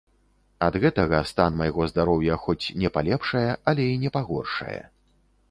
Ад гэтага стан майго здароўя хоць не палепшае, але і не пагоршае.